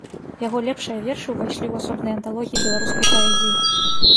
Яго лепшыя вершы ўвайшлі ў асобныя анталогіі беларускай паэзіі.